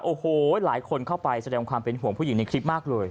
โอ้โหหลายคนเข้าไปแสดงความเป็นห่วงผู้หญิงในคลิปมากเลย